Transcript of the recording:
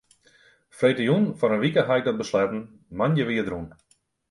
Freedtejûn foar in wike hie ik dat besletten, moandei wie it rûn.